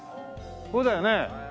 そうだよね？